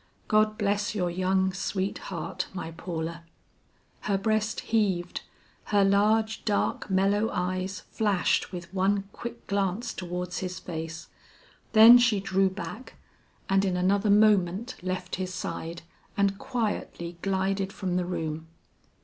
God bless your young sweet heart, my Paula!" Her breast heaved, her large, dark, mellow eyes flashed with one quick glance towards his face, then she drew back, and in another moment left his side and quietly glided from the room.